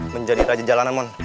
menjadi raja jalanan mon